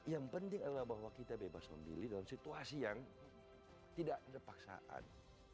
yang penting adalah bahwa kita bebas memilih dalam situasi yang tidak ada paksaan